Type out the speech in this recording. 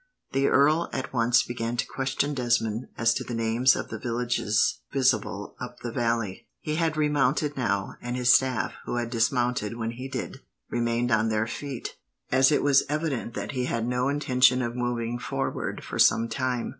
The earl at once began to question Desmond as to the names of the villages visible up the valley. He had remounted now, but his staff, who had dismounted when he did, remained on their feet, as it was evident that he had no intention of moving forward for some time.